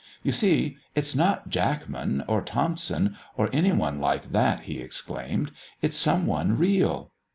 "You see, it's not Jackman, or Thompson, or any one like that," he exclaimed. "It's some one real."